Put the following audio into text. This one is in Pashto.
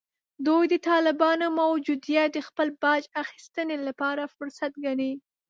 دوی د طالبانو موجودیت د خپل باج اخیستنې لپاره فرصت ګڼي